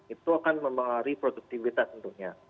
itu akan mempengaruhi produktivitas tentunya